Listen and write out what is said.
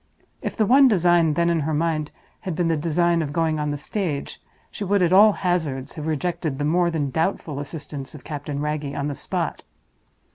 If the one design then in her mind had been the design of going on the stage, she would, at all hazards, have rejected the more than doubtful assistance of Captain Wragge on the spot.